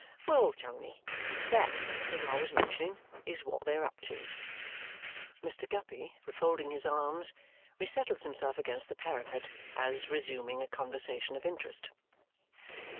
Well, Tony, that as I was mentioning is what they're up to." Mr. Guppy, refolding his arms, resettles himself against the parapet, as resuming a conversation of interest.